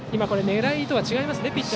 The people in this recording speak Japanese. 狙いとは違いますね。